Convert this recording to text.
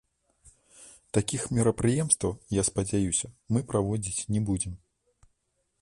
Такіх мерапрыемстваў, я спадзяюся, мы праводзіць не будзем.